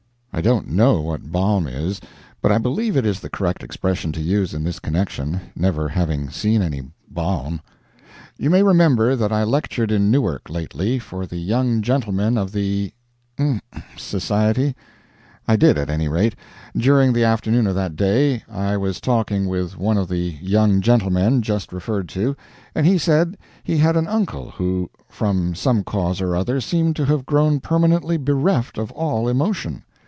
(I don't know what balm is, but I believe it is the correct expression to use in this connection never having seen any balm.) You may remember that I lectured in Newark lately for the young gentlemen of the Society? I did at any rate. During the afternoon of that day I was talking with one of the young gentlemen just referred to, and he said he had an uncle who, from some cause or other, seemed to have grown permanently bereft of all emotion.